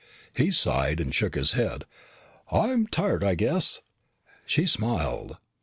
He sighed and shook his head. "I'm tired I guess." She smiled.